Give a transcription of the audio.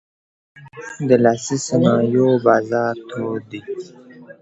د لاسي صنایعو بازار تود دی.